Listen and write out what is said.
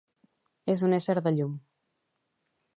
És un Ésser de llum